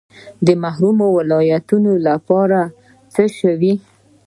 د محرومو ولایتونو لپاره څه شوي؟